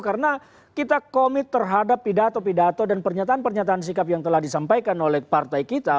karena kita komit terhadap pidato pidato dan pernyataan pernyataan sikap yang telah disampaikan oleh partai kita